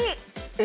え！